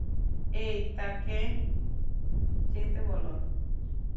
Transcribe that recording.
এই, তাকে যেতে বল।